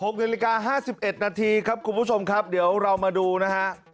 ๖นิดนาที๕๑นาทีครับคุณผู้ชมครับเดี๋ยวเรามาดูนะฮะ